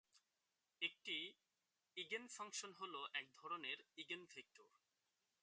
একটি ইগেনফাংশন হল এক ধরনের ইগেনভেক্টর।